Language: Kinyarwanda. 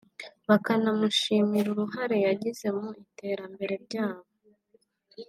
bakamushimira uruhare yagize mu iterambere ryabo